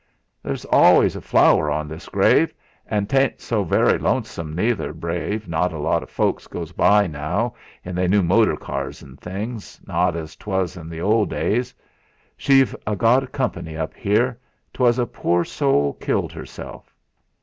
"There's always a flower on this grave. An' 'tain't so very lonesome, neither; brave lot o' folks goes by now, in they new motor cars an' things not as 'twas in th' old days. She've a got company up 'ere. '.was a poor soul killed 'erself."